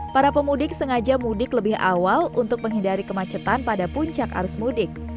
para pemudik sengaja mudik lebih awal untuk menghindari kemacetan pada puncak arus mudik